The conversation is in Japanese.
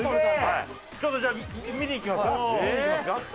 ちょっと見に行きますか？